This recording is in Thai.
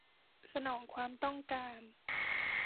สนองความต้องการ